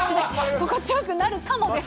心地よくなるかもです。